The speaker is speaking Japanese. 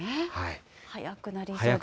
早くなりそうで。